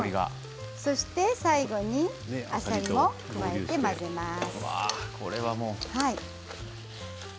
最後にあさりを加えて混ぜます。